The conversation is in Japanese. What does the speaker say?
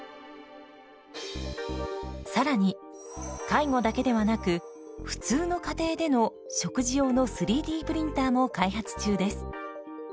更に介護だけではなく普通の家庭での食事用の３Ｄプリンターも開発中です。